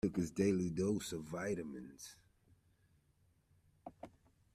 He took his daily dose of vitamins.